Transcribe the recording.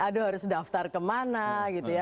aduh harus daftar kemana gitu ya